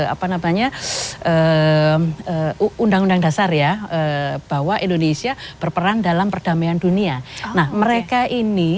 apa namanya undang undang dasar ya bahwa indonesia berperan dalam perdamaian dunia nah mereka ini